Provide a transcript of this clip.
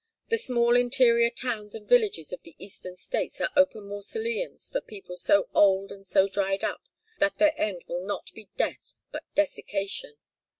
The small interior towns and villages of the Eastern States are open mausoleums for people so old and so dried up that their end will be not death but desiccation.